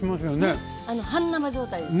半生状態です。